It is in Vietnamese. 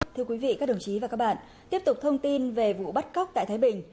thưa quý vị các đồng chí và các bạn tiếp tục thông tin về vụ bắt cóc tại thái bình